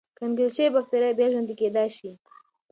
کنګل شوې بکتریاوې بیا ژوندی کېدای شي.